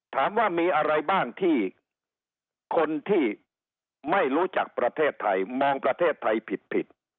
ถามว่ามีอะไรบ้างที่คนที่ไม่รู้จักประเทศไทยมองประเทศไทยผิด